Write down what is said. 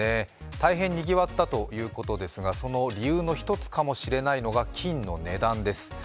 大変にぎわったということですがその理由の一つかもしれないのが金の値段です。